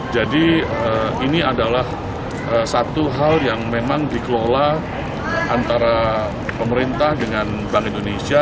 jadi ini adalah satu hal yang memang dikelola antara pemerintah dengan bank indonesia